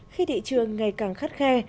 khi thị trường ngày càng khắt khe